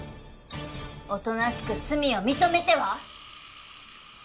おとなしく罪を認めては？